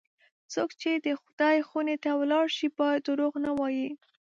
څوک چې د خدای خونې ته ولاړ شي، بیا دروغ نه وایي.